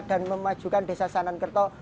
dan memajukan desa sanankerto